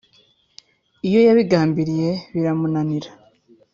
iyo yabigambiriye biramunanira